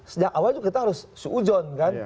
sejak awal kita harus seujon